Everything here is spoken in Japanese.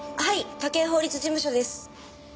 武井法律事務所です。